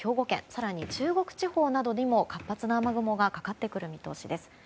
更に、中国地方などにも活発な雨雲がかかってくる見通しです。